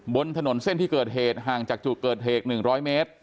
บนถนนเส้นที่เกิดเหตุห่างจากจุดเกิดเหตุ๑๐๐เมตร